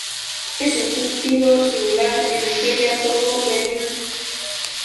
Es un cultivo similar en Nigeria, Togo, Benín.